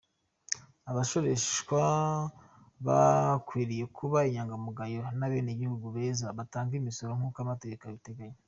Abasoreshwa bakwiriye kuba inyangamugayo n’abenegihugu beza batanga imisoro nk’uko amategeko abiteganya."